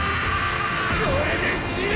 これで死ね！